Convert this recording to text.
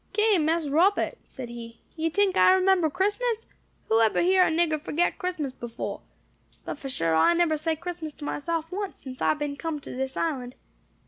"Ki, Mas Robbut," said he, "you tink I remember Christmas? Who ebber hear o' nigger forget Christmas befo'? But for sure, I nebber say Christmas to myself once, since I been come to dis island.